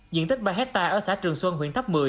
diện tích ba hectare ở xã trường xuân huyện tháp một mươi